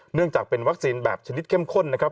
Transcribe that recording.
เนื่องจากเป็นวัคซีนแบบชนิดเข้มข้นนะครับ